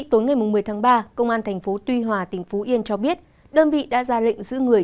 tối ngày một mươi tháng ba công an tp tuy hòa tỉnh phú yên cho biết đơn vị đã ra lệnh giữ người